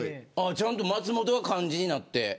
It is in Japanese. ちゃんと松本は漢字になって。